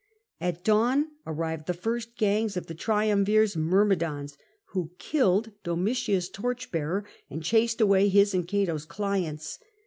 At dawn arrived the first gangs of the triumvirs' myrmidons, who killed Domitius' torch bearer and chased away his and Cato's clients.